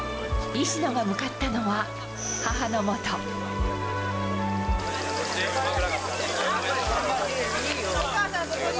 石野が向かったのは、母のもお疲れ。